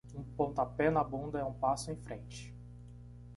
Um pontapé na bunda é um passo em frente.